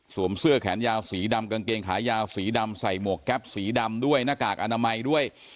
เสื้อแขนยาวสีดำกางเกงขายาวสีดำใส่หมวกแก๊ปสีดำด้วยหน้ากากอนามัยด้วย